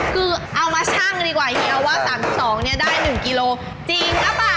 คือเอามาชั่งดีกว่าเฮียว่า๓๒เนี่ยได้๑กิโลจริงหรือเปล่า